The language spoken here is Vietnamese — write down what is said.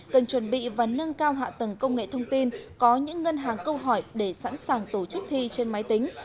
cần chuẩn bị và nâng cao hạ tầng công nghệ thông tin có những ngân hàng câu hỏi để sẵn sàng tổ chức thi trên máy tính